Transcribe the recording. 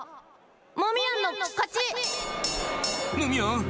モミヤンのかち！